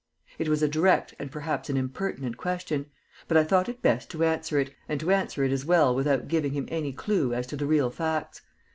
It was a direct and perhaps an impertinent question; but I thought it best to answer it, and to answer it as well without giving him any clew as to the real facts.